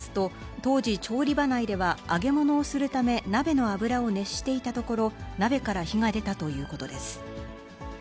警察によりますと、当時、調理場内では揚げ物をするため、鍋の油を熱していたところ、鍋から火が出たということです。